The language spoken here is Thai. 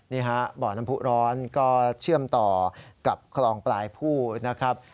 นี่ฮะบ่อน้ำผู้ร้อนก็เชื่อมต่อกับคลองปลายผู้นะครับ